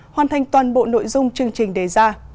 hoàn thành toàn bộ nội dung chương trình đề ra